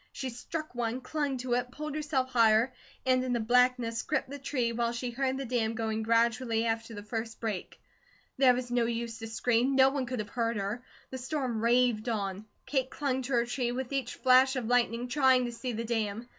She struck one, clung to it, pulled herself higher, and in the blackness gripped the tree, while she heard the dam going gradually after the first break. There was no use to scream, no one could have heard her. The storm raved on; Kate clung to her tree, with each flash of lightning trying to see the dam.